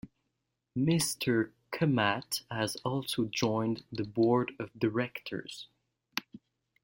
Mr. Kamat has also joined the Board of Directors.